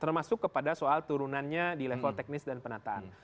termasuk kepada soal turunannya di level teknis dan penataan